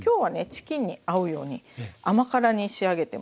チキンに合うように甘辛に仕上げてます。